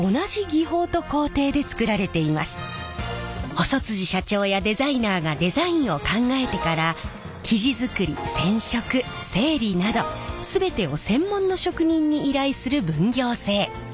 細社長やデザイナーがデザインを考えてから生地作り染色整理など全てを専門の職人に依頼する分業制。